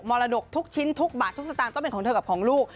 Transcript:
มรดกทุกชิ้นทุกบัตรทุกสถานต้องเป็นของกับลูก